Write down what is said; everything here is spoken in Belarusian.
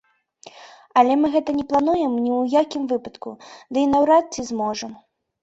Але мы гэта не плануем ні ў якім выпадку, ды і наўрад ці зможам.